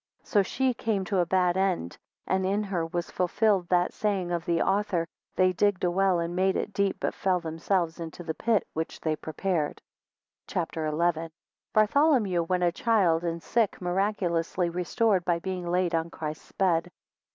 14 So she came to a bad end, and in her was fulfilled that saying of the author, They digged a well, and made it deep, but fell themselves into the pit which they prepared. CHAPTER XI. 1 Bartholomew, when a child and sick, miraculously restored by being laid on Christ's bed.